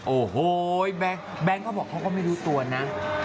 โอ้โหแบงค์เขาบอกเขาก็ไม่รู้ตัวนะ